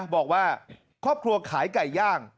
บอกว่าครอบครัวขายไก่ย่าง